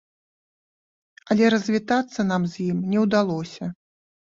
Але развітацца нам з ім не ўдалося.